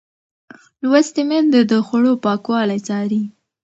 لوستې میندې د خوړو پاکوالی څاري.